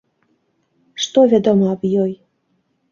Што вядома аб ёй?